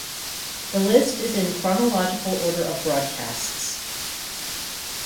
This list is in chronological order of broadcasts.